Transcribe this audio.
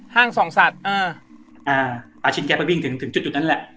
ห้างสองสัตว์อ่าอ่าป่าชิ้นแก๊บมันวิ่งถึงถึงจุดนั้นแหละ